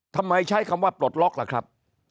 ใช้คำว่าปลดล็อกล่ะครับ